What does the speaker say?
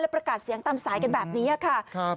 ประกาศเสียงตามสายกันแบบนี้ค่ะ